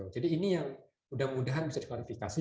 jadi ini yang mudah mudahan bisa diklarifikasi